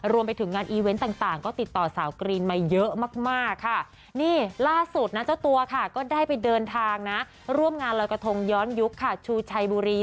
ยุรีศรีอำภาวะ